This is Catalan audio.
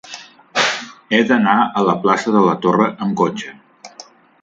He d'anar a la plaça de la Torre amb cotxe.